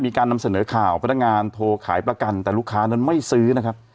มีการนำเสนอข่าวพนักงานโทรขายประกันแต่ลูกค้านั้นไม่ซื้อนะครับ